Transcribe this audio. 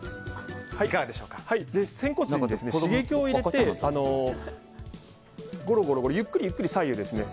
仙骨に刺激を入れてゆっくりゆっくり左右ですね。